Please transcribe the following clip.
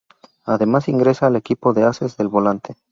Además ingresa el equipo de Ases del Volante.